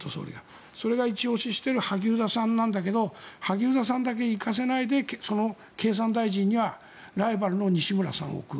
それが一押ししている萩生田さんなんだけど萩生田さんだけ行かせないでその経産大臣にはライバルの西村さんを置く。